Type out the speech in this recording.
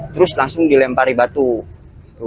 terus langsung dilempari batu